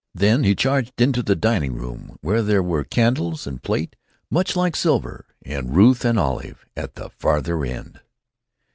Then he charged into the dining room, where there were candles and plate much like silver—and Ruth and Olive at the farther end.